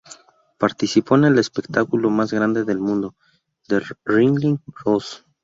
Participó en “El espectáculo más grande del mundo“ del Ringling Bros.